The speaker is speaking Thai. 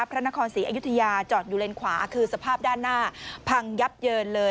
พระนครศรีอยุธยาจอดอยู่เลนขวาคือสภาพด้านหน้าพังยับเยินเลย